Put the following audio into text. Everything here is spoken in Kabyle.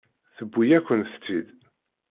Tewwi-yakent-tt-id.